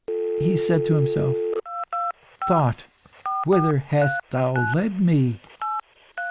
He said to himself "Thought, whither hast thou led me?"